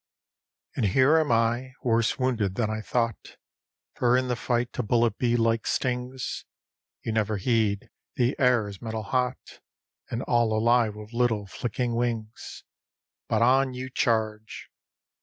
And here am I, worse wounded than I thought; For in the fight a bullet bee like stings; You never heed; the air is metal hot, And all alive with little flicking wings. _BUT ON YOU CHARGE.